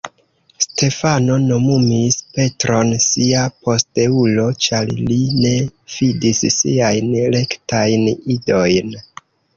Stefano nomumis Petron sia posteulo, ĉar li ne fidis siajn rektajn idojn.